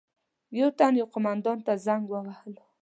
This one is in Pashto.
یو تن یو قومندان ته زنګ وهلو.